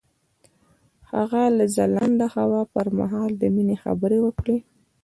هغه د ځلانده هوا پر مهال د مینې خبرې وکړې.